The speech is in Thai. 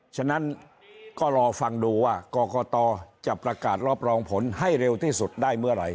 ฉะนั้นก็รอฟังดูว่ากรกตจะประกาศรับรองผลให้เร็วที่สุดได้เมื่อไหร่